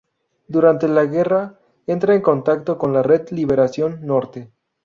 Durante la guerra, entra en contacto con la red Liberación-Norte.